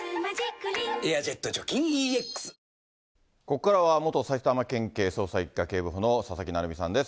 ここからは元埼玉県警捜査１課警部補の佐々木成三さんです。